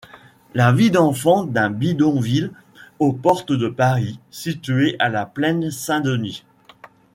La vie d'enfants d'un bidonville aux portes de Paris, situé à La Plaine Saint-Denis.